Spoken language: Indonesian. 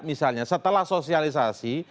misalnya setelah sosialisasi